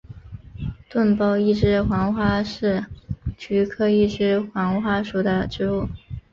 钝苞一枝黄花是菊科一枝黄花属的植物。